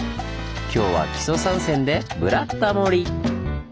きょうは木曽三川で「ブラタモリ」！